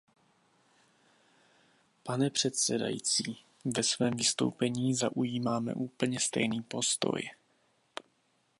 Pane předsedající, ve svém vystoupení zaujímáme úplně stejný postoj.